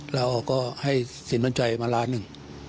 เราออกก็ให้สินต้นใจมาล้านหนึ่ง